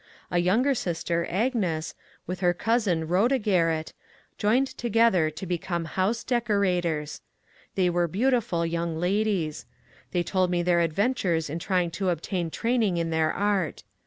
A younger sister, Agnes, and her cousin Shoda Garrett, joined together to become house decorators. They were beautiful young la dies. They told me their adventures in trying to obtain training in their art.